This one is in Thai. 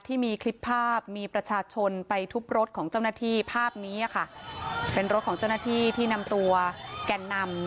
ที่มีคลิปภาพมีประชาชนไปทุบรถของเจ้าหน้าที่ภาพนี้ค่ะเป็นรถของเจ้าหน้าที่ที่นำตัวแก่นนำ